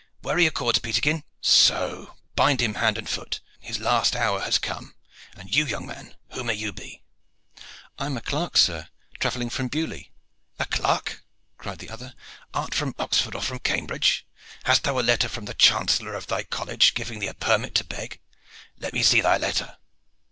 Where are your cords, Peterkin? So! Bind him hand and foot. His last hour has come. And you, young man, who may you be?" "I am a clerk, sir, travelling from Beaulieu." "A clerk!" cried the other. "Art from Oxenford or from Cambridge? Hast thou a letter from the chancellor of thy college giving thee a permit to beg? Let me see thy letter."